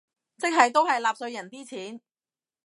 即係都係納稅人啲錢